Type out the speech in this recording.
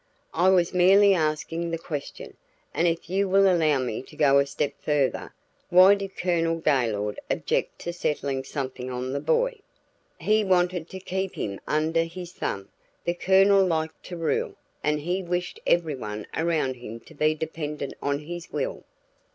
"I was merely asking the question. And if you will allow me to go a step further, why did Colonel Gaylord object to settling something on the boy?" "He wanted to keep him under his thumb. The Colonel liked to rule, and he wished everyone around him to be dependent on his will."